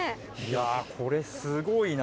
これすごいな。